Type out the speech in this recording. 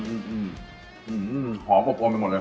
หอมอบอวนไปหมดเลย